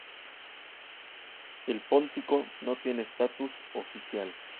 El póntico no tiene estatus oficial.